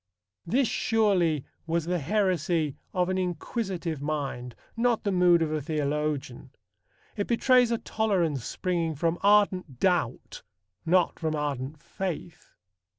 This surely was the heresy of an inquisitive mind, not the mood of a theologian. It betrays a tolerance springing from ardent doubt, not from ardent faith.